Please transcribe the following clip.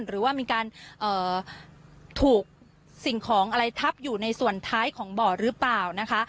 หรือว่ามีการถูกสิ่งของอะไรทับอยู่ในส่วนท้ายของบ่อหรือเปล่านะคะ